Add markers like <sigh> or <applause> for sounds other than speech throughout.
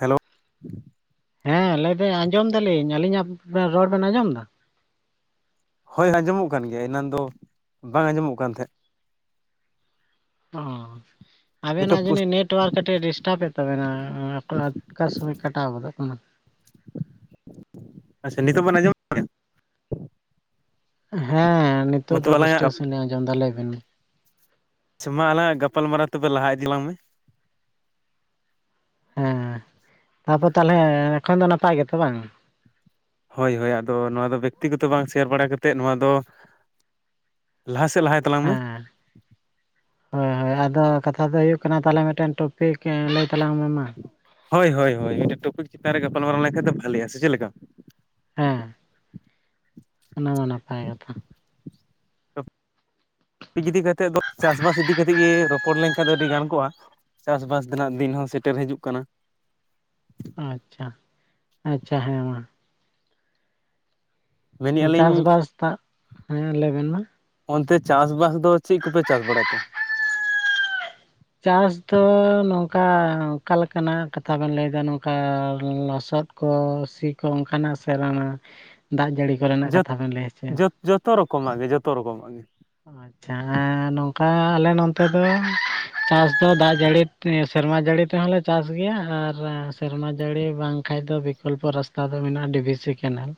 Hello ᱦᱮᱸ ᱞᱟᱹᱭᱫᱟᱹᱧ ᱟᱸᱡᱚᱢ ᱫᱟᱞᱤᱧ ᱟᱹᱞᱤᱧᱟᱜ ᱨᱚᱲ ᱵᱮᱱ ᱟᱸᱡᱚᱢᱫᱟ ᱦᱳᱭ ᱟᱸᱡᱚᱢᱚᱜ ᱠᱟᱱ ᱜᱮᱭᱟ ᱮᱱᱟᱱ ᱫᱚ ᱵᱟᱝ ᱟᱸᱡᱚᱢᱚᱜ ᱠᱟᱱ ᱛᱟᱦᱮᱸᱫ ᱚ ᱱᱤᱛᱚᱜ ᱟᱵᱮᱱᱟᱜ ᱯᱩᱥ ᱡᱟᱱᱤᱡ ᱱᱮᱴ ᱴᱟᱣᱟᱨ ᱠᱟᱹᱴᱤᱡ ᱰᱤᱥᱴᱟᱵᱮᱫ ᱛᱟᱵᱮᱱᱟ ᱚᱠᱟ, ᱚᱠᱟ ᱥᱚᱢᱚᱭ ᱠᱟᱴᱟᱣ ᱜᱚᱫᱚᱜ ᱠᱟᱱᱟ ᱟᱪᱪᱷᱟ ᱱᱤᱛᱚᱜ ᱵᱚᱱ ᱟᱸᱡᱚᱢᱮᱜ ᱦᱮᱸ ᱢᱟ ᱱᱤᱛᱚᱜ ᱫᱚ ᱛᱚᱵᱮ ᱟᱞᱟᱝᱟᱜ ᱯᱩᱥᱴᱟᱹᱣ ᱥᱟᱺᱦᱤᱡ ᱞᱤᱧ ᱟᱡᱚᱢᱫᱟ ᱞᱟᱭ ᱵᱤᱱ ᱟᱪᱷᱟ ᱢᱟ ᱟᱞᱟᱝᱟᱜ ᱜᱟᱯᱟᱞᱢᱟᱨᱟᱣ ᱛᱚᱵᱮ ᱞᱟᱦᱟ ᱤᱫᱤᱞᱟᱝ ᱢᱮ ᱦᱮᱸᱻ ᱛᱟᱯᱚᱨ ᱛᱟᱦᱞᱮ ᱮᱠᱷᱚᱱ ᱫᱚ ᱱᱟᱯᱟᱭ ᱜᱮᱛᱚ ᱵᱟᱝ ᱦᱳᱭ ᱦᱳᱭ ᱟᱫᱚ ᱱᱚᱣᱟ ᱫᱚ ᱵᱮᱠᱛᱤᱜᱚᱛᱚ ᱵᱟᱝ ᱥᱮᱭᱟᱨ ᱵᱟᱲᱟ ᱠᱟᱛᱮᱫ ᱱᱚᱣᱟ ᱫᱚ ᱞᱟᱦᱟ ᱥᱮᱫ ᱞᱟᱦᱟ ᱦᱮᱸᱻ ᱦᱳᱭ ᱦᱳᱭ ᱟᱫᱚ ᱠᱟᱛᱷᱟ ᱫᱚ ᱦᱩᱭᱩᱜ ᱠᱟᱱᱟ ᱛᱟᱦᱞᱮ ᱢᱤᱫᱴᱮᱱ ᱴᱚᱯᱤᱠ ᱞᱟᱹᱭ ᱛᱟᱞᱟᱝ ᱢᱮ ᱢᱟ ᱦᱳᱭ ᱦᱳᱭ ᱦᱳᱭ ᱢᱤᱫᱴᱮᱱ ᱴᱚᱯᱤᱠ ᱪᱮᱛᱟᱱ ᱨᱮ ᱜᱟᱯᱟᱞᱢᱟᱨᱟᱣ ᱞᱮᱱᱠᱷᱟᱡ ᱫᱚ ᱵᱷᱟᱹᱞᱤᱭᱟ ᱥᱮ ᱪᱮᱫ ᱞᱮᱠᱟ ᱦᱮᱸ ᱚᱱᱟᱢᱟ ᱱᱟᱯᱟᱭ ᱠᱟᱛᱷᱟ ᱤᱫᱤ ᱠᱟᱛᱮᱫ ᱫᱚ ᱪᱟᱥᱵᱟᱥ ᱤᱫᱤ ᱠᱟᱛᱮᱫ ᱜᱮ ᱨᱚᱯᱚᱲ ᱞᱮᱱᱠᱷᱟᱱ ᱫᱚ ᱟᱹᱰᱤ ᱜᱟᱱ ᱠᱚᱜᱼᱟ ᱪᱟᱥᱵᱟᱥ ᱨᱮᱱᱟᱜ ᱫᱤᱱ ᱦᱚᱸ ᱥᱮᱴᱮᱨ ᱦᱤᱡᱩᱜ ᱠᱟᱱᱟ ᱟᱪᱪᱷᱟ ᱟᱪᱪᱷᱟ ᱦᱮᱸ ᱢᱟ ᱢᱮᱱᱮᱫᱼᱟ ᱞᱤᱧ ᱪᱟᱥᱵᱟᱥ ᱫᱟᱜ ᱦᱮᱸ ᱞᱟᱹᱭ ᱵᱮᱱ ᱢᱟ ᱚᱱᱛᱮ ᱪᱟᱥᱵᱟᱥ ᱫᱚ ᱪᱮᱫ ᱠᱚᱯᱮ ᱪᱟᱥ ᱵᱟᱲᱟᱭ ᱛᱮ ᱪᱟᱥ ᱫᱚ ᱱᱚᱝᱠᱟ ᱚᱠᱟ ᱞᱮᱠᱟᱱᱟᱜ ᱠᱟᱛᱷᱟ ᱵᱮᱱ ᱞᱟᱹᱭᱮᱫᱟ ᱱᱚᱝᱠᱟ ᱞᱚᱥᱚᱫ ᱠᱚ ᱥᱤ ᱠᱚ ᱚᱱᱠᱟᱱᱟᱜ ᱥᱮ ᱟᱨᱚ ᱚᱱᱟ ᱫᱟᱜ ᱡᱟᱹᱲᱤ ᱠᱚᱨᱮᱱᱟᱜ ᱡᱚᱛ ᱠᱟᱛᱷᱟ ᱵᱮᱱ ᱞᱟᱹᱭ ᱦᱚᱪᱚᱭᱮᱫᱟ ᱡᱚᱛ ᱡᱚᱛᱚᱨᱚᱠᱚᱢᱟᱜ ᱜᱮ ᱡᱚᱛᱚ ᱨᱚᱠᱚᱢᱟᱜ ᱜᱮ ᱟᱪᱪᱷᱟ ᱱᱚᱝᱠᱟ ᱟᱞᱮ ᱱᱚᱱᱛᱮ ᱨᱮ ᱪᱟᱥ ᱫᱚ ᱫᱟᱜ ᱡᱟᱹᱲᱤ ᱛᱮ ᱥᱮᱨᱢᱟ ᱡᱟᱹᱲᱤ ᱛᱮᱦᱚᱸᱞᱮ ᱪᱟᱥ ᱜᱮᱭᱟ ᱟᱨ ᱥᱮᱨᱢᱟ ᱡᱟᱹᱲᱤ ᱵᱟᱝ ᱠᱷᱟᱱ ᱫᱚ ᱯᱨᱚᱠᱚᱞᱯᱚ ᱨᱟᱥᱛᱟ ᱫᱚ ᱢᱮᱱᱟᱜᱼᱟ ᱰᱤᱵᱤᱥ ᱥᱮ ᱠᱮᱱᱮᱞ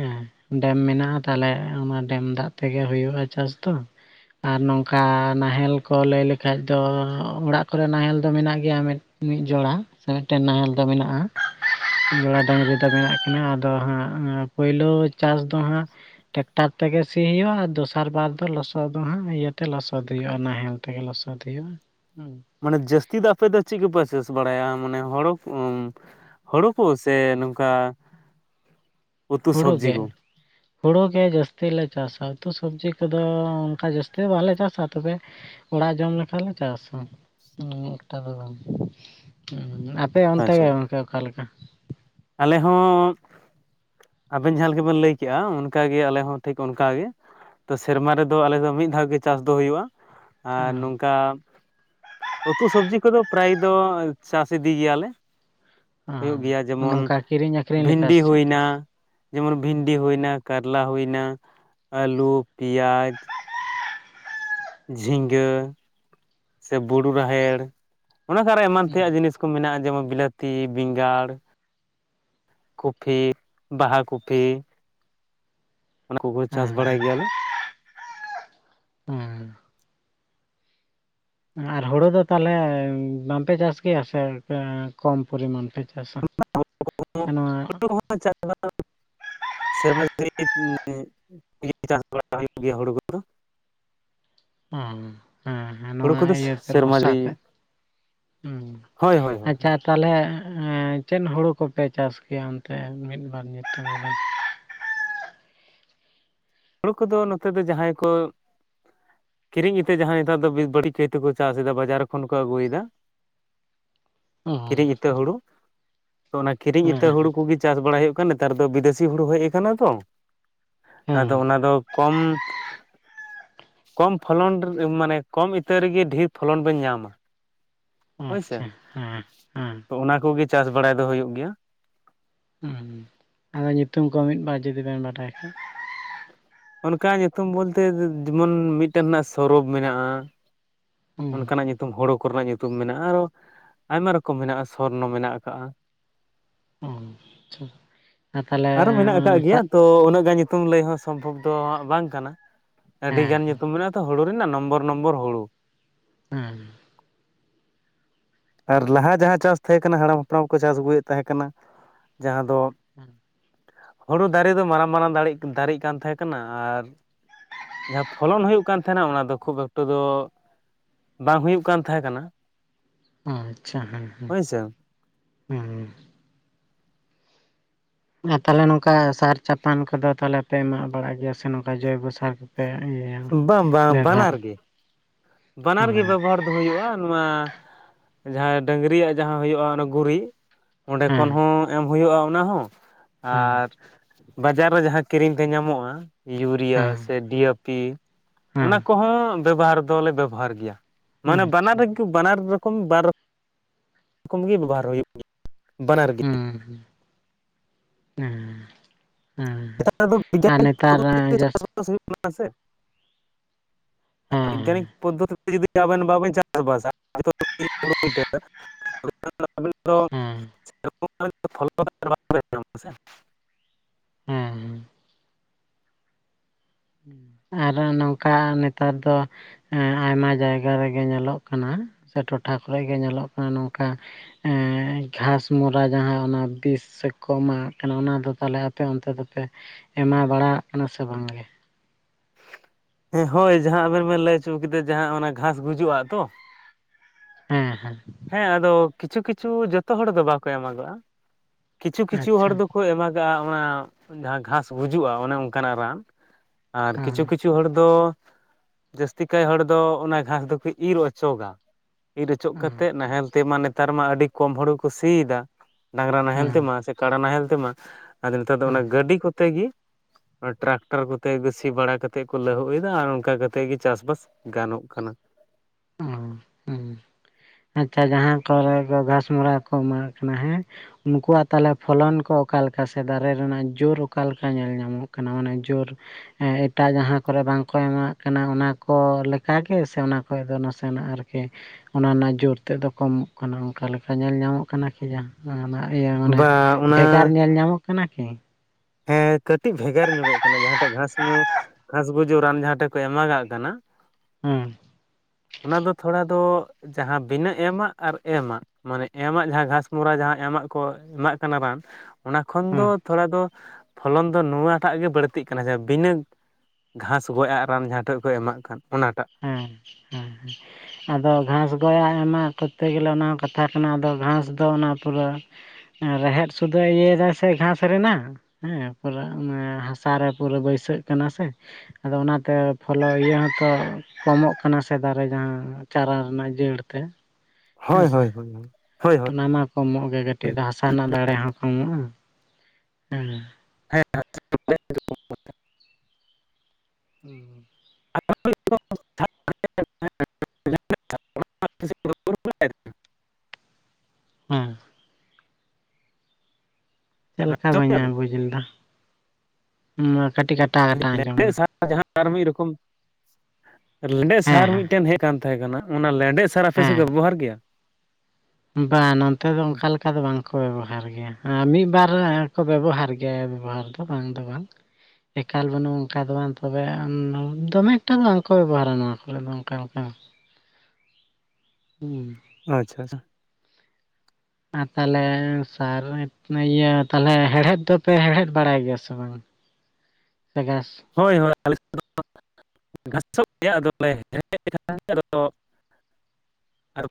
ᱦᱮᱸ ᱰᱮᱢ ᱢᱮᱱᱟᱜᱼᱟ ᱛᱟᱦᱞᱮ ᱚᱱᱟ ᱰᱮᱢ ᱫᱟᱜ ᱛᱮᱜᱮ ᱦᱩᱭᱩᱜᱼᱟ ᱪᱟᱥ ᱫᱚ ᱟᱨ ᱱᱚᱝᱠᱟ ᱱᱟᱦᱮᱞ ᱠᱚ ᱞᱟᱹᱭ ᱞᱮᱠᱷᱟᱡ ᱫᱚ ᱚᱲᱟᱜ ᱠᱚᱨᱮ ᱱᱟᱦᱮᱞ ᱫᱚ ᱢᱮᱱᱟᱜ ᱜᱮᱭᱟ ᱢᱤᱫ ᱢᱤᱫ ᱡᱚᱲᱟ ᱥᱮ ᱢᱤᱫᱴᱮᱱ ᱱᱟᱦᱮᱞ ᱫᱚ ᱢᱮᱱᱟᱜᱼᱟ ᱡᱚᱲᱟ ᱰᱟᱹᱝᱨᱤ ᱫᱚ ᱢᱮᱱᱟᱜ ᱠᱤᱱᱟ ᱟᱫᱚ ᱦᱟᱸᱜ ᱯᱳᱭᱞᱳ ᱪᱟᱥ ᱫᱚ ᱦᱟᱸᱜ ᱴᱮᱨᱟᱠᱴᱟᱨ ᱛᱮᱜᱮ ᱥᱤ ᱦᱩᱭᱩᱜᱼᱟ ᱫᱚᱥᱟᱨ ᱥᱟᱨᱵᱟᱨ ᱫᱚ ᱞᱚᱥᱚᱫ ᱫᱚ ᱦᱜ ᱤᱭᱟᱹᱛᱮ ᱞᱚᱥᱚᱫ ᱦᱩᱭᱩᱜᱼᱟ ᱱᱟᱦᱮᱞ ᱛᱮ ᱞᱚᱥᱚᱫ ᱦᱩᱭᱩᱜᱼᱟ ᱦᱩ ᱢᱟᱱᱮ ᱡᱟᱹᱥᱛᱤ ᱫᱚ ᱟᱯᱮ ᱫᱚ ᱪᱮᱫ ᱠᱚᱯᱮ ᱪᱟᱥ ᱵᱟᱲᱟᱭᱟ ᱢᱟᱱᱮ ᱦᱳᱲᱳ ᱦᱩᱲᱩ ᱠᱚ ᱥᱮ ᱱᱚᱝᱠᱟ ᱩᱛᱩ ᱦᱩᱲᱩ ᱥᱚᱵᱽᱡᱤ ᱜᱮ ᱠᱚ? ᱦᱩᱲᱳ ᱜᱮ ᱡᱟᱹᱥᱛᱤ ᱞᱮ ᱪᱟᱥᱟ ᱩᱛᱩ ᱥᱚᱵᱡᱤ ᱠᱚᱫᱚ ᱚᱱᱠᱟ ᱡᱟᱹᱥᱛᱤ ᱫᱚ ᱵᱟᱞᱮ ᱪᱟᱥᱟ ᱛᱚᱵᱮ ᱚᱲᱟᱜ ᱡᱚᱢ ᱞᱮᱠᱷᱟᱱᱞᱮ ᱪᱟᱥᱟ ᱚᱱᱹᱜᱴᱟ ᱫᱚ ᱵᱟᱝ ᱟᱯᱮ ᱚᱱᱛᱮ ᱟᱪᱪᱷᱟ ᱜᱮ ᱜᱚᱢᱠᱮ ᱚᱠᱟᱞᱮᱠᱟ ᱟᱞᱮ ᱦᱚᱸ ᱟᱵᱮᱱ ᱡᱟᱦᱟᱸ ᱞᱮᱠᱟᱵᱮᱱ ᱞᱟᱹᱭ ᱠᱮᱜᱼᱟ ᱚᱱᱠᱟᱜᱮ ᱟᱞᱮ ᱦᱚᱸ ᱴᱷᱤᱠ ᱚᱱᱠᱟᱜᱮ ᱛᱚ ᱥᱮᱨᱢᱟ ᱨᱮᱫᱚ ᱟᱞᱮ ᱫᱚ ᱢᱤᱫ ᱫᱷᱟᱣ ᱜᱮ ᱪᱟᱥ ᱫᱚ ᱦᱩᱭᱩᱜᱼᱟ ᱟᱨ ᱦᱮᱸ ᱱᱚᱝᱠᱟ ᱩᱛᱩ ᱥᱚᱵᱡᱤ ᱠᱚᱫᱚ ᱯᱨᱟᱭ ᱫᱚ ᱪᱟᱥ ᱤᱫᱤ ᱜᱮᱭᱟᱞᱮ ᱦᱩᱭᱩᱜ ᱜᱮᱭᱟ ᱦ ᱡᱮᱢᱚᱱ ᱱᱚᱝᱠᱟ ᱠᱤᱨᱤᱧ ᱟᱠᱷᱨᱤᱧ ᱞᱮᱠᱟ ᱥᱮ ᱵᱷᱤᱱᱰᱤ ᱪᱮᱫ ᱦᱩᱭᱱᱟ ᱡᱮᱢᱚᱱ ᱵᱷᱤᱱᱰᱤ ᱦᱩᱭᱱᱟ ᱠᱟᱨᱞᱟ ᱦᱩᱭᱱᱟ ᱟᱞᱩ ᱯᱮᱭᱟᱡᱽ ᱡᱷᱤᱸᱜᱟᱹ ᱥᱮ ᱵᱩᱨᱩ ᱨᱟᱦᱮᱲ ᱚᱱᱟ ᱠᱚᱨᱚ ᱮᱢᱟᱱ ᱛᱮᱭᱟᱜ ᱡᱤᱱᱤᱥ ᱠᱚ ᱠᱚ ᱢᱮᱱᱟᱜᱼᱟ ᱡᱮᱢᱚᱱ ᱵᱤᱞᱟᱹᱛᱤ ᱵᱮᱸᱜᱟᱲ ᱠᱚᱯᱤ ᱵᱟᱦᱟ ᱠᱚᱯᱤ ᱚᱱᱟ ᱠᱚᱜᱮ ᱪᱟᱥ ᱦᱮᱸ ᱵᱟᱲᱟᱭ ᱜᱮᱭᱟᱞᱮ ᱦᱮᱸ ᱟᱨ ᱦᱩᱲᱩ ᱫᱚ ᱛᱟᱦᱞᱮ ᱵᱟᱝᱯᱮ ᱪᱟᱥ ᱜᱮᱭᱟ ᱥᱮ ᱠᱚᱢ ᱯᱚᱨᱤᱢᱟᱱ ᱯᱮ ᱪᱟᱥᱟ ᱥᱮ ᱱᱚᱣᱟ <unintelligible> ᱥᱮᱨᱢᱟ ᱫᱟᱹᱲᱤ <unintelligible> ᱪᱟᱥ ᱵᱟᱲᱟ ᱦᱩᱭᱩᱜ ᱜᱮᱭᱟ ᱦᱩᱲᱩ ᱠᱚᱫᱚ ᱳ ᱦᱮᱸ ᱦᱩᱲᱩ ᱱᱚᱣᱟ ᱠᱚᱫᱚ ᱤᱭᱟᱹᱛᱮ ᱥᱮᱨᱢᱟ ᱵᱚᱨᱥᱟ ᱡᱟᱹᱲᱤ ᱛᱮᱫ ᱦᱳᱭ ᱦᱳᱭ ᱦ ᱦᱳᱭ ᱟᱪᱪᱷᱟ ᱛᱟᱦᱚᱞᱮ ᱪᱮᱫ ᱦᱩᱲᱩ ᱠᱚᱯᱮ ᱪᱟᱥ ᱠᱮᱭᱟ ᱚᱱᱛᱮ ᱢᱤᱫ ᱵᱟᱨ ᱧᱩᱛᱩᱢ ᱫᱚ ᱦᱩᱲᱩ ᱠᱚᱫᱚ ᱱᱚᱛᱮ ᱫᱚ ᱡᱟᱦᱟᱸᱭ ᱠᱚ ᱠᱤᱨᱤᱧ ᱤᱛᱟᱹ ᱡᱟᱦᱟᱭ ᱱᱮᱛᱟᱨ ᱫᱚ ᱵᱤᱲᱵᱟᱲᱤᱡ ᱠᱟᱹᱭᱛᱮᱠᱚ ᱪᱟᱥ ᱮᱟ ᱵᱟᱡᱟᱨ ᱠᱷᱚᱱ ᱠᱚ ᱟᱹᱜᱩᱭᱮᱫᱟ ᱚ ᱠᱤᱨᱤᱧ ᱤᱛᱟᱹ ᱦᱩᱲᱩ ᱚᱱᱟ ᱠᱤᱨᱤᱧ ᱦᱮᱸ ᱤᱛᱟᱹ ᱦᱮᱸ ᱦᱩᱲᱩ ᱠᱚᱜᱮ ᱪᱟᱥ ᱵᱟᱲᱟᱭ ᱦᱩᱭᱩᱜ ᱠᱟᱱᱟ ᱱᱮᱛᱟᱨ ᱫᱚ ᱵᱤᱫᱮᱥᱤ ᱦᱩᱲᱩ ᱦᱮᱡ ᱟᱠᱟᱱᱟ ᱛᱚ ᱟᱫᱚ ᱦᱮᱸ ᱚᱱᱟ ᱫᱚ ᱠᱚᱢ ᱠᱚᱢ ᱯᱷᱚᱞᱚᱱ ᱢᱟᱱᱮ ᱠᱚᱢ ᱤᱛᱟᱹ ᱨᱮᱜᱮ ᱰᱷᱮᱨ ᱯᱷᱚᱞᱚᱱ ᱵᱤᱱ ᱧᱟᱢᱟ ᱦᱳᱭᱥᱮ ᱟᱪᱪᱷᱟ ᱦᱮᱸ ᱦᱮᱸ ᱛᱚ ᱚᱱᱟ ᱠᱚᱜᱮ ᱪᱟᱥ ᱵᱟᱲᱟᱭ ᱫᱚ ᱦᱩᱭᱩᱜ ᱜᱮᱭᱟ ᱦᱩᱸ ᱟᱫᱚ ᱧᱩᱛᱩᱢ ᱠᱚ ᱢᱤᱫ ᱵᱟᱨ ᱡᱩᱫᱤ ᱵᱮᱱ ᱵᱟᱰᱟᱭ ᱠᱷᱟᱱ ᱚᱱᱠᱟ ᱧᱩᱛᱩᱢ ᱵᱚᱞᱛᱮ ᱡᱮᱢᱚᱱ ᱢᱤᱫᱴᱮᱱ ᱨᱮᱱᱟᱜ ᱥᱚᱨᱚᱵ ᱢᱮᱱᱟᱜᱼᱟ ᱦᱩᱸ ᱚᱱᱠᱟᱱᱟᱜ ᱧᱩᱛᱩᱢ ᱦᱳᱲᱳ ᱠᱚᱨᱮᱱᱟᱜ ᱧᱩᱛᱩᱢ ᱢᱮᱱᱟᱜᱼᱟ ᱟᱨᱚ ᱟᱭᱢᱟ ᱨᱚᱠᱚᱢ ᱢᱮᱱᱟᱜᱼᱟ ᱥᱚᱨᱱᱚ ᱢᱮᱱᱟᱜ ᱟᱠᱟᱟᱜ ᱚ ᱟᱪᱷᱟ ᱛᱟᱦᱚᱞᱮ ᱟᱨᱚ ᱢᱮᱱᱟᱜ ᱟᱠᱟᱜ ᱜᱮᱭᱟ ᱪᱟᱥ ᱛᱚ ᱩᱱᱟᱹᱜ ᱜᱟᱱ ᱧᱩᱛᱩᱢ ᱞᱟᱹᱭ ᱦᱚᱸ ᱥᱚᱢᱵᱷᱚᱵ ᱫᱚ ᱦᱟᱜ ᱵᱟᱝ ᱠᱟᱱᱟ ᱦᱮᱸ ᱟᱹᱰᱤᱜᱟᱱ ᱧᱩᱛᱩᱢ ᱢᱮᱱᱟᱜᱼᱟ ᱛᱚ ᱦᱩᱲᱩ ᱨᱮᱤ ᱱᱚᱢᱵᱚᱨ ᱱᱚᱢᱵᱚᱨ ᱦᱩᱲᱩ ᱦᱮᱸᱻ ᱟᱨ ᱞᱟᱦᱟ ᱡᱟᱦᱟᱸ ᱪᱟᱥ ᱛᱟᱦᱮ ᱠᱟᱱᱟ ᱦᱟᱲᱟᱢ ᱦᱟᱯᱲᱟᱢ ᱠᱚ ᱪᱟᱥ ᱟᱹᱜᱩᱭᱮᱫ ᱛᱟᱦᱮᱸ ᱠᱟᱱᱟ ᱡᱟᱦᱟᱸ ᱫᱚ ᱦᱳᱲᱳ ᱫᱟᱨᱮ ᱫᱚ ᱢᱟᱨᱟᱝ ᱢᱟᱨᱟᱝ ᱫᱟᱲᱮ ᱫᱟᱨᱮᱜ ᱠᱟᱱ ᱛᱟᱦᱮᱸ ᱠᱟᱱᱟ ᱟᱨ ᱡᱟᱦᱟᱸ ᱯᱷᱚᱞᱚᱱ ᱦᱩᱭᱩᱜ ᱠᱟᱱ ᱛᱟᱦᱮᱱᱟ ᱚᱱᱟ ᱫᱚ ᱠᱷᱩᱵ ᱮᱠᱴᱚ ᱫᱚ ᱵᱟᱝ ᱦᱩᱭᱩᱜ ᱠᱟᱱ ᱛᱟᱦᱮᱸ ᱠᱟᱱᱟ ᱟᱪᱪᱷᱟ ᱦᱮᱸ ᱦᱮᱸ ᱦᱳᱭᱥᱮ ᱦᱮᱸᱻ ᱟᱨ ᱛᱟᱦᱚᱞᱮ ᱱᱚᱝᱠᱟ ᱥᱟᱨ ᱪᱟᱯᱟᱱ ᱠᱚᱫᱚ ᱛᱟᱦᱞᱮ ᱯᱮ ᱮᱢᱟᱜ ᱵᱟᱲᱟᱜ ᱜᱮᱭᱟ ᱥᱮ ᱱᱚᱝᱠᱟ ᱡᱳᱭᱵᱚᱥᱟᱨ ᱯᱮ ᱤᱭᱟᱹᱭᱟ ᱵᱟᱝ ᱵᱟᱝ ᱵᱟᱱᱟᱨ ᱵᱮᱵᱚᱦᱟᱨᱟ ᱜᱮ ᱵᱟᱱᱟᱨ ᱜᱮ ᱵᱮᱵᱚᱦᱟᱨ ᱫᱚ ᱦᱩᱭᱩᱜᱼᱟ ᱱᱚᱣᱟ ᱡᱟᱦᱟᱸ ᱰᱟᱺᱝᱨᱤᱭᱟᱜ ᱡᱟᱦᱟᱸ ᱦᱩᱭᱩᱜᱼᱟ ᱚᱱᱟ ᱜᱩᱨᱤᱡ ᱚᱸᱰᱮ ᱠᱷᱚᱱ ᱦᱮᱸ ᱦᱚᱸ ᱮᱢ ᱦᱩᱭᱩᱜᱼᱟ ᱚᱱᱟ ᱦᱚᱸ ᱦᱮᱸ ᱟᱨ ᱵᱟᱡᱟᱨ ᱨᱮ ᱡᱟᱦᱟᱸ ᱠᱤᱨᱤᱧ ᱛᱮ ᱧᱟᱢᱚᱜᱼᱟ ᱤᱭᱩᱨᱤᱭᱟ ᱦᱮᱸ ᱥᱮ ᱰᱤ ᱭᱮ ᱯᱤ ᱚᱱᱟ ᱦᱮᱸ ᱠᱚᱦᱚᱸ ᱵᱮᱵᱚᱦᱟᱨ ᱫᱚᱞᱮ ᱵᱮᱵᱚᱦᱟᱨ ᱜᱮᱭᱟ ᱢᱟᱱᱮ ᱟᱪᱪᱷᱟ ᱵᱟᱱᱟᱨ ᱨᱮᱜᱮ ᱵᱟᱱᱟᱨ ᱨᱚᱠᱚᱢ ᱵᱟᱨ <unintelligible> ᱨᱚᱠᱚᱢ ᱜᱮ ᱵᱮᱵᱚᱦᱟᱨ ᱦᱩᱭᱩᱜ ᱜᱮᱭᱟ ᱵᱟᱱᱟᱨ ᱜᱮ ᱦᱩᱸ ᱦᱮᱸ ᱮᱸᱻ ᱮᱠᱴᱟᱜ ᱨᱮᱫᱚ ᱵᱮᱡᱟᱭ <unintelligible> ᱡᱟᱹᱥ ᱡᱟᱥ ᱵᱟᱥ ᱦᱩᱭᱩᱜ ᱠᱟᱱᱟ ᱥᱮ᱾ <unintelligible> ᱵᱤᱜᱽᱜᱟᱱᱤᱠ ᱦᱮᱸ ᱯᱚᱫᱫᱷᱚᱛᱤ ᱡᱩᱫᱤ ᱟᱵᱮᱱ ᱵᱟᱵᱮᱱ ᱪᱟᱥᱵᱟᱥᱟ ᱦᱩᱲᱩ <unintelligible> ᱦᱮᱸ <unintelligible> ᱥᱮ, ᱦᱮᱸ ᱦᱮᱸᱻ ᱟᱨ ᱱᱚᱝᱠᱟ ᱱᱮᱛᱟᱨ ᱫᱚ ᱮᱸᱻ ᱟᱭᱢᱟ ᱡᱟᱭᱜᱟ ᱨᱮᱜᱮ ᱧᱮᱞᱚᱜ ᱠᱟᱱᱟ ᱥᱮ ᱴᱚᱴᱷᱟ ᱠᱚᱨᱮᱜᱮ ᱧᱮᱞᱚᱜ ᱠᱟᱱᱟ ᱱᱚᱝᱠᱟ ᱮᱸᱻ ᱜᱷᱟᱥᱢᱚᱨᱟ ᱡᱟᱦᱟᱸ ᱚᱱᱟ ᱵᱤᱥ ᱠᱚ ᱮᱢᱟᱜ ᱠᱟᱱᱟ ᱚᱱᱟ ᱫᱚ ᱛᱟᱦᱞᱮ ᱟᱯᱮ ᱚᱱᱛᱮ ᱫᱚᱯᱮ ᱮᱢᱟ ᱵᱟᱲᱟᱜ ᱠᱟᱱᱟ ᱥᱮ ᱵᱟᱝ ᱜᱮ ᱦᱮᱸ ᱦᱳᱭ ᱡᱟᱦᱟᱸ ᱟᱵᱮᱱ ᱵᱮᱱ ᱞᱟᱹᱭ ᱦᱚᱪᱚ ᱠᱮᱫᱟ ᱡᱟᱦᱟᱸ ᱚᱱᱟ ᱜᱷᱟᱥ ᱜᱩᱡᱩᱜ ᱟᱛᱚ ᱦᱮᱸ ᱦᱮᱸ ᱦᱮᱸ ᱟᱫᱚ ᱠᱤᱪᱷᱩ ᱠᱤᱪᱷᱩ ᱡᱚᱛᱚ ᱦᱚᱲ ᱫᱚ ᱵᱟᱠᱚ ᱮᱢᱟᱜᱚᱜᱼᱟ ᱠᱤᱪᱷᱩ ᱠᱤᱪᱷᱩ ᱟᱪᱪᱷᱟ ᱦᱚᱲ ᱫᱚᱠᱚ ᱮᱢᱟᱜ ᱟᱻ ᱚᱱᱟ ᱡᱟᱦᱟᱸ ᱜᱷᱟᱥ ᱜᱩᱡᱩᱜᱼᱟ ᱚᱱᱮ ᱚᱱᱠᱟᱱᱟᱜ ᱨᱟᱱ ᱟᱨ ᱦᱮᱸ ᱠᱤᱪᱷᱩ ᱠᱤᱪᱷᱩ ᱦᱚᱲ ᱫᱚ ᱡᱟᱹᱥᱛᱤ ᱠᱟᱭ ᱦᱚᱲ ᱫᱚ ᱚᱱᱟ ᱜᱷᱟᱥ ᱫᱚᱠᱚ ᱤᱨᱻ ᱚᱪᱚᱜᱟ ᱤᱨ ᱚᱪᱚᱜ ᱦᱮᱸ ᱠᱟᱛᱮᱫ ᱱᱟᱦᱮᱞ ᱛᱮᱢᱟ ᱱᱮᱛᱟᱨ ᱢᱟ ᱟᱹᱰᱤ ᱠᱚᱢ ᱦᱳᱲᱳ ᱠᱚ ᱥᱤᱭᱮᱫᱟ ᱰᱟᱝᱨᱟ ᱱᱟᱦᱮᱞ ᱦᱮᱸ ᱛᱮᱢᱟ ᱠᱟᱰᱟ ᱱᱟᱦᱮᱞ ᱛᱮᱢᱟ ᱟᱫᱚ ᱱᱮᱛᱟᱨ ᱫᱚ ᱚᱱᱟ ᱦᱮᱸ ᱜᱟᱹᱰᱤ ᱠᱚᱛᱮ ᱜᱮ ᱚᱱᱟ ᱴᱨᱟᱠᱴᱟᱨ ᱠᱚᱛᱮ ᱠᱚ ᱥᱤ ᱵᱟᱲᱟ ᱠᱟᱛᱮᱫ ᱠᱚ ᱞᱟᱹᱦᱩᱫ ᱮᱫᱟ ᱟᱨ ᱚᱱᱠᱟ ᱠᱟᱛᱮᱫ ᱜᱮ ᱪᱟᱥ ᱵᱟᱥ ᱜᱟᱱᱚᱜ ᱠᱟᱱᱟ ᱦᱮᱸ ᱦᱮᱸ <inaudible> ᱟᱪᱪᱷᱟ ᱡᱟᱦᱟᱸ ᱠᱚᱨᱮ ᱜᱷᱟᱥᱢᱚᱨᱟ ᱠᱚ ᱮᱢᱟᱜ ᱠᱟᱱᱟ ᱦᱮᱸ ᱩᱱᱠᱩᱣᱟᱜ ᱛᱟᱦᱚᱞᱮ ᱯᱷᱚᱞᱚᱱ ᱠᱚ ᱚᱠᱟᱞᱮᱠᱟ ᱥᱮ ᱫᱟᱨᱮ ᱨᱮᱱᱟᱜ ᱡᱩᱨ ᱚᱠᱟᱞᱮᱠᱟ ᱧᱮᱞ ᱧᱟᱢᱚᱜ ᱠᱟᱱᱟ ᱚᱱᱮ ᱡᱳᱨ ᱦᱮᱸᱻ ᱮᱴᱟᱜ ᱡᱟᱦᱟᱸ ᱠᱚᱨᱮ ᱵᱟᱝᱠᱚ ᱮᱢᱟᱜ ᱠᱟᱱᱟ ᱚᱱᱟ ᱠᱚ ᱞᱮᱠᱟᱜᱮ ᱥᱮ ᱠᱷᱚᱡ ᱫᱚ ᱱᱟᱥᱮᱱᱟᱜ ᱟᱨᱠᱤ ᱚᱱᱟ ᱨᱮᱱᱟᱜ ᱡᱩᱨ ᱛᱮᱫ ᱫᱚ ᱠᱚᱢᱚᱜ ᱠᱟᱱᱟ ᱚᱱᱠᱟ ᱞᱮᱠᱟ ᱧᱮᱞ ᱧᱟᱢᱚᱜ ᱠᱟᱱᱟ ᱠᱤ ᱡᱟᱦᱟᱸ ᱚᱱᱟ ᱤᱭᱟᱹ ᱢᱟᱱᱮ ᱵᱟ ᱚᱱᱟ ᱵᱷᱮᱜᱟᱨ ᱧᱮᱞ ᱧᱟᱢᱚᱜ ᱠᱟᱱᱟ ᱠᱤ ᱦᱮᱸ ᱠᱟᱹᱴᱤᱡ ᱵᱷᱮᱜᱟᱨ ᱧᱚᱜᱚᱜ ᱠᱟᱱᱟ ᱡᱟᱦᱟᱸᱴᱟᱜ ᱜᱷᱟᱥᱢᱳ ᱜᱷᱟᱥ ᱜᱩᱡᱩᱜ ᱨᱟᱱ ᱡᱟᱦᱟᱸ ᱴᱷᱮ ᱠᱚ ᱮᱢᱟᱜᱟᱜ ᱠᱟᱱᱟ ᱦᱮᱸᱻ ᱚᱱᱟ ᱫᱚ ᱛᱷᱚᱲᱟ ᱫᱚ ᱡᱟᱦᱟᱸ ᱵᱤᱱᱟᱹ ᱮᱢᱟᱜ ᱟᱨ ᱮᱢᱟᱜ ᱢᱟᱱᱮ ᱮᱢᱟᱜ ᱡᱟᱦᱟᱸ ᱜᱷᱟᱥᱢᱚᱨᱟ ᱡᱟᱦᱟᱸ ᱮᱢᱟᱜ ᱠᱚ ᱮᱢᱟᱜ ᱠᱟᱱᱟ ᱨᱟᱱ ᱚᱱᱟ ᱠᱷᱚᱱ ᱫᱚ ᱦᱮᱸ ᱛᱷᱚᱲᱟ ᱫᱚ ᱯᱷᱚᱞᱚᱱ ᱫᱚ ᱱᱚᱣᱟ ᱴᱟᱜ ᱜᱮ ᱵᱟᱹᱲᱛᱤᱜ ᱠᱟᱱᱟ ᱡᱮ ᱵᱤᱱᱟᱹ ᱜᱷᱟᱸᱥ ᱜᱚᱡᱟᱜ ᱨᱟᱱ ᱡᱟᱦᱟᱸ ᱴᱷᱮᱱ ᱠᱚ ᱮᱢᱟᱜ ᱠᱟᱱ ᱚᱱᱟᱴᱟᱜ ᱦᱮᱸ ᱦᱮᱸ ᱦᱮᱸ ᱟᱫᱚ ᱜᱷᱟᱥ ᱜᱚᱡᱟᱜ ᱮᱢᱟᱜ ᱠᱚᱨᱛᱮ ᱜᱮᱞᱮ ᱚᱱᱟ ᱠᱟᱛᱷᱟ ᱠᱟᱱᱟ ᱟᱫᱚ ᱜᱷᱟᱥ ᱫᱚ ᱚᱱᱟ ᱯᱩᱨᱟᱹ ᱨᱮᱦᱮᱫ ᱥᱩᱫᱷᱟᱹ ᱤᱭᱟᱹᱭᱮᱫᱟᱭ ᱥᱮ ᱜᱷᱟᱥ ᱨᱮᱱᱟᱜ ᱦᱮᱸ ᱯᱩᱨᱟᱹ ᱦᱟᱥᱟ ᱨᱮ ᱯᱩᱨᱟᱹ ᱵᱟᱹᱭᱥᱟᱹᱜ ᱠᱟᱱᱟ ᱥᱮ ᱟᱫᱚ ᱚᱱᱟᱛᱮ ᱯᱷᱚᱞᱳ ᱤᱭᱟᱹ ᱦᱚᱸᱛᱚ ᱠᱚᱢᱚᱜ ᱠᱟᱱᱟ ᱥᱮ ᱫᱟᱨᱮ ᱡᱟᱦᱟᱸ ᱪᱟᱨᱟ ᱨᱮᱱᱟᱜ ᱡᱟᱹᱲ ᱛᱮ ᱦᱳᱭ ᱦᱳᱭ ᱦᱮᱸᱥᱮ ᱦᱳᱭ ᱦᱳᱭᱼᱦᱳᱭ᱾ ᱚᱱᱟ ᱢᱟ ᱠᱚᱢᱚᱜ ᱜᱮ ᱠᱟᱹᱴᱤᱡ ᱫᱚ ᱦᱟᱥᱟ ᱨᱮᱱᱟᱜ ᱫᱟᱲᱮ ᱦᱚᱸ ᱠᱚᱢᱚᱜᱼᱟ ᱦᱮᱸ ᱦᱮᱸ <unintelligible> ᱦᱩᱸ ᱦᱩᱸ <unintelligible> ᱟᱸᱡᱚᱢᱮᱜᱼᱟ ᱦᱮᱸ ᱪᱮᱫ ᱞᱮᱠᱟ ᱵᱟᱹᱧ ᱵᱮᱱ ᱵᱩᱡᱽ ᱞᱮᱫᱟ ᱠᱟᱹᱴᱤᱡ ᱠᱟᱴᱟ ᱠᱟᱴᱟ ᱟᱸᱡᱚᱢ ᱞᱮᱸᱰᱮᱫ ᱮᱱᱟ ᱥᱟᱨ ᱡᱟᱦᱟᱸ ᱢᱤᱫ ᱨᱚᱠᱚᱢ ᱞᱮᱸᱰᱮᱫ ᱦᱮᱸ ᱥᱟᱨ ᱦᱮᱸ ᱢᱤᱫᱴᱮᱱ ᱦᱮᱡ ᱠᱟᱱ ᱛᱟᱦᱮᱸ ᱠᱟᱱᱟ ᱚᱱᱟ ᱞᱮᱸᱰᱮᱛ ᱥᱟᱨ ᱟᱯᱮ ᱥᱮᱫ ᱠᱚ ᱦᱮᱸ ᱵᱮᱵᱚᱦᱟᱨ ᱜᱮᱭᱟ? ᱵᱟᱝ ᱱᱚᱱᱛᱮ ᱫᱚ ᱚᱱᱠᱟ ᱞᱮᱠᱟ ᱫᱚ ᱵᱟᱝᱠᱚ ᱵᱮᱵᱚᱦᱟᱨ ᱜᱮᱭᱟ ᱟᱨ ᱢᱤᱫ ᱵᱟᱨ ᱠᱚ ᱵᱮᱵᱚᱦᱟᱨ ᱜᱮᱭᱟ ᱵᱮᱵᱚᱦᱟᱨ ᱫᱚ ᱵᱟᱝ ᱫᱚ ᱵᱟᱝ ᱮᱠᱟᱞ ᱵᱟᱹᱱᱩᱜᱼᱟ ᱚᱱᱠᱟ ᱫᱚ ᱵᱟᱝ ᱛᱚᱵᱮ ᱫᱚᱢᱮ ᱮᱠᱴᱟ ᱫᱚ ᱵᱟᱝᱠᱚ ᱵᱮᱵᱚᱦᱟᱨᱟ ᱱᱚᱣᱟ ᱠᱚᱨᱮ ᱫᱚ <unintelligible> ᱦᱩᱸ᱾ ᱟᱪᱪᱷᱟ ᱟᱪᱪᱷᱟ ᱟᱨ ᱛᱟᱦᱚᱞᱮ ᱥᱟᱨ ᱤᱭᱟᱹ ᱛᱟᱦᱚᱞᱮ ᱦᱮᱲᱦᱮᱫ ᱫᱚᱯᱮ ᱦᱮᱲᱦᱮᱫ ᱵᱟᱲᱟᱭ ᱜᱮᱭᱟ ᱥᱮ ᱵᱟᱝ? <unintelligible> ᱦᱳᱭ ᱦᱳᱭ <unintelligible> ᱜᱷᱟᱥᱚᱜ ᱜᱮᱭᱟ ᱟᱫᱚᱞᱮ <unintelligible> ᱟᱨ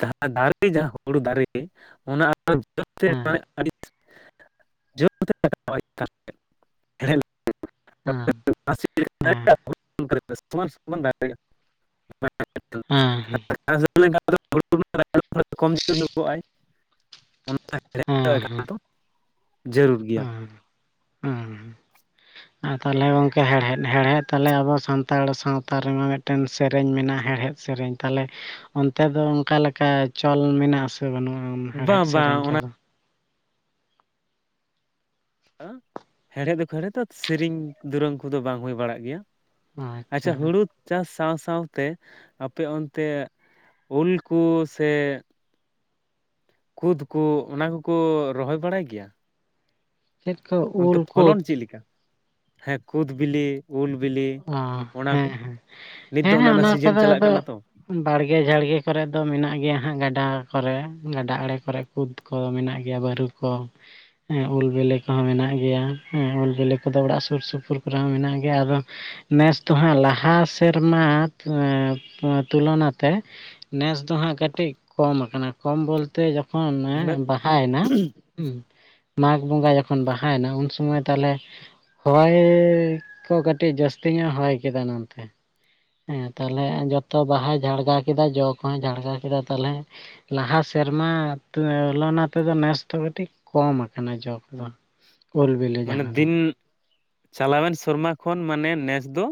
ᱡᱟᱦᱟᱸ ᱫᱟᱨᱮ ᱡᱟᱦᱟᱸ ᱦᱩᱲᱩ ᱫᱟᱨᱮ ᱚᱱᱟ ᱦᱮᱸ <unintelligible> <unintelligible> <unintelligible> ᱦᱮᱸ ᱦᱮᱸ ᱦᱮᱸ ᱦᱮᱸ ᱦᱮᱸ <unintelligible> ᱡᱟᱹᱨᱩᱲ ᱜᱮᱭᱟ ᱦᱮᱸᱦᱮᱸ᱾ <inaudible> ᱟᱨ ᱛᱟᱦᱚᱞᱮ ᱜᱚᱝᱠᱮ ᱦᱮᱲᱦᱮᱫ ᱦᱮᱲᱦᱮᱫ ᱛᱟᱞᱦᱮ ᱟᱵᱚ ᱥᱟᱱᱛᱟᱲ ᱥᱟᱶᱛᱟ ᱨᱮᱢᱟ ᱢᱤᱫᱴᱮᱱ ᱥᱮᱨᱮᱧ ᱢᱮᱱᱟᱜᱼᱟ ᱦᱮᱲᱦᱮᱫ ᱥᱮᱨᱮᱧ ᱛᱟᱦᱚᱞᱮ, ᱚᱱᱛᱮ ᱫᱚ ᱚᱱᱠᱟ ᱞᱮᱠᱟ ᱪᱚᱞ ᱢᱮᱱᱟᱜ-ᱟ ᱥᱮ ᱵᱟᱹᱱᱩᱜᱼᱟ ᱦᱮᱲᱦᱮᱫ ᱵᱟᱝ ᱵᱟᱝ ᱥᱮᱨᱮᱧ ᱚᱱᱟ ᱠᱚᱫᱚ? ᱦᱮᱲᱦᱮᱫ ᱫᱚᱠᱚ ᱦᱮᱲᱦᱮᱫᱟ ᱥᱮᱨᱮᱧ ᱫᱩᱨᱟᱹᱝ ᱠᱚᱫᱚ ᱵᱟᱝ ᱦᱩᱭ ᱵᱟᱲᱟᱜ ᱜᱮᱭᱟ ᱟᱪᱪᱷᱟ ᱦᱩᱲᱩ ᱪᱟᱥ ᱥᱟᱶ ᱥᱟᱶᱛᱮ ᱟᱯᱮ ᱚᱱᱛᱮ ᱩᱞ ᱠᱚ ᱥᱮ ᱠᱩᱫᱽ ᱠᱚ ᱚᱱᱟ ᱠᱚᱠᱚ ᱨᱚᱦᱚᱭ ᱵᱟᱲᱟᱭ ᱜᱮᱭᱟ? ᱠᱷᱮᱫ <unintelligible> ᱚᱱᱛᱮ ᱯᱷᱚᱞᱚᱱ ᱪᱮᱫ ᱞᱮᱠᱟ? ᱦᱮᱸ ᱠᱩᱫᱽ ᱵᱤᱞᱤ ᱩᱞ ᱵᱤᱞᱤ? ᱚ ᱚᱱᱟ ᱦᱮᱸ ᱠᱚ ᱱᱤᱛ ᱫᱚ ᱦᱮᱸ ᱦᱮᱸ ᱨᱮᱱᱟᱜ ᱚᱱᱟ ᱥᱤᱡᱮᱱ ᱠᱚᱫᱚ ᱪᱟᱞᱟᱜ ᱟᱫᱚ ᱠᱟᱱᱟ ᱛᱚ ᱵᱟᱲᱜᱮ ᱡᱷᱟᱲᱜᱮ ᱠᱚᱨᱮ ᱫᱚ ᱢᱮᱱᱟᱜ ᱜᱮᱭᱟ ᱦᱟᱸᱜ ᱜᱟᱰᱟ ᱠᱚᱨᱮ ᱜᱟᱰᱟ ᱟᱲᱮ ᱠᱚᱨᱮ ᱠᱩᱫᱽ ᱠᱚ ᱢᱮᱱᱟᱜ ᱜᱮᱭᱟ ᱵᱟᱹᱨᱩ ᱠᱚ ᱦᱮᱸ ᱩᱞ ᱵᱤᱞᱤ ᱠᱚᱦᱚᱸ ᱢᱮᱱᱟᱜ ᱜᱮᱭᱟ ᱦᱮᱸ ᱩᱞ ᱵᱤᱞᱤ ᱠᱚᱫᱚ ᱚᱲᱟᱜ ᱥᱩᱨ ᱥᱩᱯᱩᱨ ᱠᱚᱨᱮ ᱦᱚᱸ ᱢᱮᱱᱟᱜ ᱜᱮᱭᱟ ᱟᱫᱚ ᱱᱮᱥ ᱫᱚ ᱦᱟᱸᱜ ᱞᱟᱦᱟ ᱥᱮᱨᱢᱟ ᱛᱩᱞᱚᱱᱟᱛᱮ ᱱᱮᱥ ᱫᱚ ᱦᱟᱸᱜ ᱠᱟᱹᱴᱤᱡ ᱠᱚᱢ ᱟᱠᱟᱱᱟ ᱠᱚᱢ ᱵᱚᱞᱛᱮ ᱡᱚᱠᱷᱚᱱ ᱢᱟᱱᱮ ᱵᱟᱦᱟᱭᱮᱱᱟ ᱦᱮᱸ ᱢᱟᱜᱽ ᱵᱚᱸᱜᱟ ᱡᱚᱠᱷᱚᱱ ᱵᱟᱦᱟᱭᱮᱱᱟ ᱩᱱ ᱥᱚᱢᱚᱭ ᱛᱟᱦᱚᱞᱮ ᱦᱚᱭ ᱠᱚ ᱠᱟᱹᱴᱤᱡ ᱡᱟᱹᱥᱛᱤ ᱧᱚᱜ ᱦᱚᱭ ᱠᱮᱫᱟ ᱱᱚᱱᱛᱮ ᱦᱮᱸ ᱛᱟᱦᱞᱮ ᱡᱚᱛᱚ ᱵᱟᱦᱟᱭ ᱡᱷᱟᱲᱜᱟᱣ ᱠᱮᱫᱟ ᱡᱚ ᱠᱚᱦᱚᱸᱭ ᱡᱷᱟᱲᱜᱟᱣ ᱠᱮᱫᱟ ᱛᱟᱞᱦᱮ ᱞᱟᱦᱟ ᱥᱮᱨᱢᱟ ᱛᱩᱞᱚᱱᱟ ᱛᱮᱫᱚ ᱱᱮᱥ ᱫᱚ ᱠᱟᱹᱴᱤᱡ ᱠᱚᱢ ᱟᱠᱟᱱᱟ ᱡᱚ ᱠᱚᱫᱚ ᱩᱞ ᱵᱤᱞᱤ ᱢᱟᱱᱮ ᱡᱟᱦᱟᱸ ᱫᱚ ᱫᱤᱱ ᱪᱟᱞᱟᱣᱮᱱ ᱥᱮᱨᱢᱟ ᱠᱷᱚᱱ ᱢᱟᱱᱮ ᱱᱮᱥ ᱫᱚ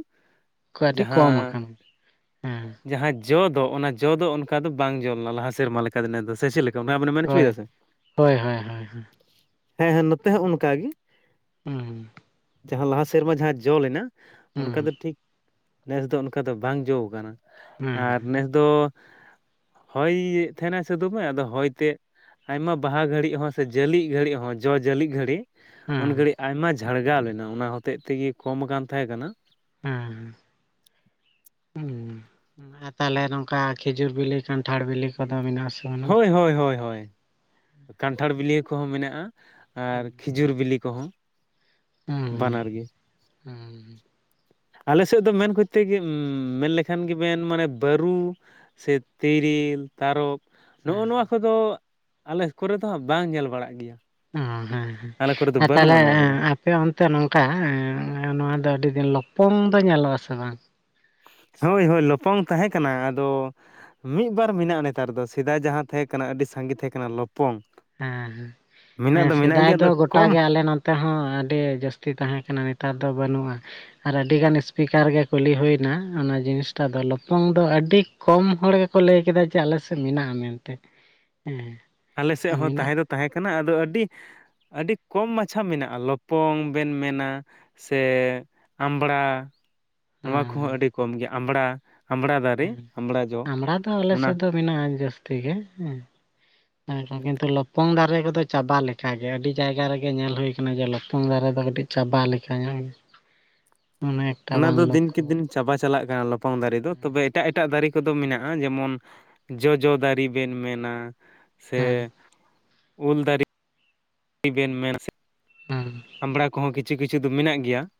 ᱠᱟᱹᱴᱤᱡ ᱠᱚᱢ ᱡᱟᱦᱟᱸ ᱟᱠᱟᱱᱟ ᱦᱮᱸ ᱡᱟᱦᱟᱸ ᱡᱚ ᱫᱚ ᱚᱱᱟ ᱡᱚ ᱫᱚ ᱚᱱᱠᱟ ᱫᱚ ᱵᱟᱝ ᱡᱚ ᱞᱮᱱᱟ ᱞᱟᱦᱟ ᱥᱮᱨᱢᱟ ᱞᱮᱠᱟ ᱫᱚ᱾ ᱥᱮᱪᱮᱫ ᱞᱮᱠᱟ? <unintelligible> ᱢᱮᱱ ᱦᱚᱪᱚᱭ ᱦᱳᱭ ᱫᱟ ᱥᱮ ᱦᱳᱭ ᱦᱳᱭ ᱦᱳᱭ ᱦᱩᱸ ᱦᱮᱸ ᱦᱮᱸ ᱱᱚᱛᱮ ᱦᱚᱸ ᱚᱱᱠᱟ ᱜᱮ ᱦᱩᱸ ᱡᱟᱦᱟᱸ ᱞᱟᱦᱟ ᱥᱮᱨᱢᱟ ᱡᱟᱦᱟᱸ ᱡᱚ ᱞᱮᱱᱟ ᱦᱩᱸ ᱚᱱᱠᱟ ᱫᱚ ᱴᱷᱤᱠ ᱱᱮᱥ ᱫᱚ ᱚᱱᱠᱟ ᱫᱚ ᱵᱟᱝ ᱡᱚ ᱟᱠᱟᱱᱟ᱾ ᱦᱮᱸ ᱟᱨ ᱱᱮᱥ ᱫᱚ ᱦᱚᱭᱮᱫ ᱛᱟᱦᱮᱱᱟᱭ ᱥᱮ ᱫᱚᱢᱮ ᱟᱫᱚ ᱦᱚᱭ ᱛᱮ ᱟᱭᱢᱟ ᱵᱟᱦᱟ ᱜᱷᱟᱹᱲᱤᱡ ᱦᱚᱸ ᱥᱮ ᱡᱟᱹᱞᱤᱜ ᱜᱷᱟᱹᱲᱤᱡ ᱦᱚᱸ ᱡᱚ ᱡᱟᱹᱞᱤᱜ ᱜᱷᱟᱹᱲᱤᱡ ᱩᱱ ᱦᱮᱸ ᱜᱷᱟᱹᱲᱤᱡ ᱟᱭᱢᱟ ᱡᱷᱟᱲᱜᱟᱣ ᱞᱮᱱᱟ ᱚᱱᱟ ᱦᱚᱛᱮᱡ ᱛᱮᱜᱮ ᱠᱚᱢ ᱟᱠᱟᱱ ᱛᱟᱦᱮᱸ ᱠᱟᱱᱟ ᱦᱩᱸ ᱟᱨ ᱛᱟᱦᱚᱞᱮ ᱱᱚᱝᱠᱟ ᱠᱷᱮᱡᱩᱨ ᱵᱤᱞᱤ ᱠᱟᱱᱴᱷᱟᱲ ᱵᱤᱞᱤ ᱠᱚᱫᱚ ᱢᱮᱱᱟᱜ ᱟᱥᱮ? ᱵᱟᱹᱱᱩᱜ ᱦᱳᱭ ᱦᱳᱭ ᱦᱳᱭ ᱦᱳᱭ ᱠᱟᱱᱴᱷᱟᱲ ᱵᱤᱞᱤ ᱠᱚᱦᱚᱸ ᱢᱮᱱᱟᱜᱼᱟ ᱟᱨ ᱠᱷᱤᱡᱩᱨ ᱵᱤᱞᱤ ᱠᱚᱦᱚᱸ ᱦᱩᱸ ᱵᱟᱱᱟᱨ ᱜᱮ ᱦᱩᱸ ᱟᱞᱮ ᱥᱮᱫ ᱫᱚ ᱢᱮᱱ ᱠᱚᱡᱛᱮ ᱜᱮ ᱢᱮᱱ ᱞᱮᱠᱷᱟᱱ ᱜᱮ ᱢᱮᱱ ᱢᱟᱱᱮ ᱵᱟᱹᱨᱩ ᱥᱮ ᱛᱤᱨᱤᱞ, ᱛᱟᱨᱚᱵ ᱱᱚᱜᱼᱚ ᱦᱮᱸ ᱱᱚᱣᱟ ᱠᱚᱫᱚ ᱟᱞᱮ ᱠᱚᱨᱮ ᱫᱚ ᱦᱟᱸᱜ ᱵᱟᱝ ᱧᱮᱞ ᱵᱟᱲᱟᱜ ᱜᱮᱭᱟ ᱾ ᱚ ᱦᱮᱸᱦᱮᱸ ᱛᱟᱦᱚᱞᱮ ᱠᱚᱫᱚ ᱟᱯᱮᱭᱟ ᱚᱱᱛᱮ ᱱᱚᱝᱠᱟ ᱱᱚᱣᱟ ᱫᱚ ᱟᱹᱰᱤ ᱫᱤᱱ ᱞᱚᱯᱚᱝ ᱫᱚ ᱧᱮᱞᱚᱜᱼᱟ ᱥᱮ ᱵᱟᱝ? ᱦᱳᱭ ᱦᱳᱭ, ᱞᱚᱯᱚᱝ ᱛᱟᱦᱮᱸ ᱠᱟᱱᱟ ᱾ ᱟᱫᱚ ᱢᱤᱫᱵᱟᱨ ᱢᱮᱱᱟᱜᱼᱟ ᱱᱮᱛᱟᱨ ᱫᱚ ᱥᱮᱫᱟᱭ ᱡᱟᱦᱟᱸ ᱛᱟᱦᱮᱸ ᱠᱟᱱᱟ ᱟᱹᱰᱤ ᱥᱟᱸᱜᱮ ᱛᱟᱦᱮᱸ ᱠᱟᱱᱟ ᱞᱚᱯᱚᱝ ᱾ ᱦᱮᱸ ᱦᱮᱸ ᱦᱮᱸ ᱾ ᱥᱮᱫᱟᱭ ᱫᱚ ᱜᱚᱴᱟ ᱠᱚᱢ ᱜᱮ ᱟᱞᱮ ᱱᱚᱛᱮ ᱱᱚᱛᱮ ᱦᱚᱸ ᱟᱹᱰᱤ ᱡᱟᱹᱥᱛᱤ ᱛᱟᱦᱮᱸ ᱠᱟᱱᱟ ᱱᱮᱛᱟᱨ ᱫᱚ ᱵᱟᱹᱱᱩᱜᱼᱟ ᱾ ᱟᱨ ᱟᱹᱰᱤ ᱜᱟᱱ ᱤᱥᱯᱤᱠᱟᱨ ᱜᱮ ᱠᱩᱞᱤ ᱦᱩᱭᱱᱟ ᱚᱱᱟ ᱡᱤᱱᱤᱥᱴᱟ ᱫᱚ ᱞᱚᱯᱚᱝ ᱫᱚ ᱟᱹᱰᱤ ᱠᱚᱢ ᱦᱚᱲ ᱜᱮᱠᱚ ᱞᱟᱹᱭ ᱠᱮᱫᱟ ᱡᱮ ᱟᱞᱮ ᱥᱮᱫ ᱢᱮᱱᱟᱜᱼᱟ ᱢᱮᱱᱛᱮ ᱦᱮᱸ ᱾ ᱟᱞᱮ ᱥᱮᱫ ᱦᱚᱸ ᱛᱟᱦᱮᱸ ᱫᱚ ᱛᱟᱦᱮᱸ ᱠᱟᱱᱟ ᱟᱫᱚ ᱟᱹᱰᱤ ᱟᱹᱰᱤ ᱠᱚᱢ ᱢᱟᱪᱷᱟ ᱢᱮᱱᱟᱜᱼᱟ ᱞᱚᱯᱚᱝ ᱵᱮᱱ ᱢᱮᱱᱟ ᱥᱮ ᱟᱢᱲᱟ ᱱᱚᱣᱟ ᱠᱚᱦᱚᱸ ᱦᱮᱸ ᱟᱹᱰᱤ ᱠᱚᱢ ᱜᱮᱭᱟ, ᱟᱢᱵᱽᱲᱟ ᱟᱢᱵᱽᱲᱟ ᱫᱟᱨᱮ ᱟᱢᱵᱲᱟ ᱡᱚ ᱟᱢᱲᱟ ᱫᱚ ᱟᱞᱮ ᱚᱱᱟ ᱥᱮᱫ ᱾ ᱫᱚ ᱢᱮᱱᱟᱜᱼᱟ ᱡᱟᱹᱥᱛᱤ ᱜᱮ ᱦᱮᱸ ᱾ ᱦᱮᱸ, ᱠᱤᱱᱛᱩ ᱞᱚᱯᱚᱝ ᱫᱟᱨᱮ ᱠᱚᱫᱚ ᱪᱟᱵᱟ ᱞᱮᱠᱟᱜᱮ ᱟᱹᱰᱤ ᱡᱟᱭᱜᱟ ᱨᱮᱜᱮ ᱧᱮᱞ ᱦᱩᱭ ᱟᱠᱟᱱᱟ, ᱡᱮ ᱞᱚᱯᱚᱝ ᱫᱟᱨᱮ ᱫᱚ ᱠᱟᱹᱴᱤᱡ ᱪᱟᱵᱟ ᱞᱮᱠᱟ ᱧᱚᱝ ᱜᱮ ᱾ <inaudible> ᱚᱱᱮᱠ ᱚᱱᱟ ᱫᱚ ᱫᱤᱱ ᱠᱮ ᱫᱤᱱ ᱪᱟᱵᱟ ᱪᱟᱞᱟᱜ ᱠᱟᱱᱟ ᱞᱚᱯᱚᱝ ᱫᱟᱨᱮ ᱫᱚ, ᱛᱚᱵᱮ ᱮᱴᱟᱜ ᱮᱴᱟᱜ ᱫᱟᱨᱮ ᱠᱚᱫᱚ ᱢᱮᱱᱟᱜᱼᱟ ᱾ ᱡᱮᱢᱚᱱ ᱡᱚᱡᱚ ᱫᱟᱨᱮ ᱵᱮᱱ ᱢᱮᱱᱟ ᱥᱮ, ᱦᱮᱸ ᱩᱞ ᱫᱟᱨᱮ ᱵᱮᱱ ᱢᱮᱱᱟ ᱥᱮ, ᱦᱮᱸ᱾ ᱟᱢᱵᱽᱲᱟ ᱠᱚᱦᱚᱸ ᱠᱤᱪᱷᱩ ᱠᱤᱪᱷᱩ ᱫᱚ ᱢᱮᱱᱟᱜ ᱜᱮᱭᱟ ᱾